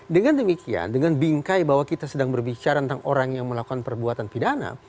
dengan demikian dengan bingkai bahwa kita sedang berbicara tentang orang yang melakukan perbuatan pidana